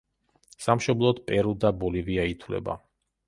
სამშობლოდ პერუ და ბოლივია ითვლება.